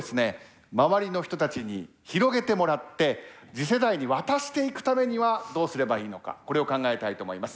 周りの人たちに広げてもらって次世代に渡していくためにはどうすればいいのかこれを考えたいと思います。